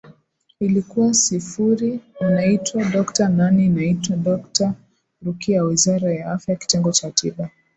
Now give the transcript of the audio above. ilikuwa sifuri unaitwa dokta nani naitwa dokta rukia wizara ya afya kitengo cha tiba